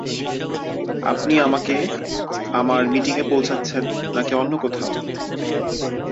আপনি আমাকে আমার মিটিংয়ে পৌছাচ্ছেন নাকি অন্য কোথাও?